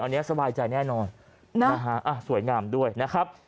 อันนี้สบายใจแน่นอนนะฮะสวยงามด้วยนะครับ